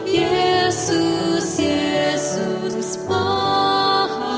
yesus yesus maha kasih